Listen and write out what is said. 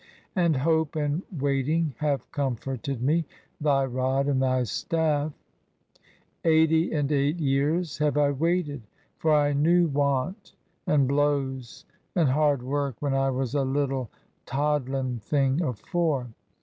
And hope and waiting have comforted me. * Thy rod and thy staff! Eighty and eight years have I waited. For I knew want and blows and hard work when I was a little toddlin' thing o* four.